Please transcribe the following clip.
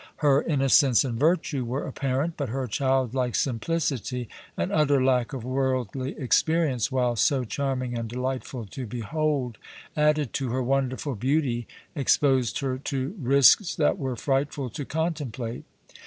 Her innocence and virtue were apparent, but her childlike simplicity and utter lack of worldly experience, while so charming and delightful to behold, added to her wonderful beauty, exposed her to risks that were frightful to contemplate.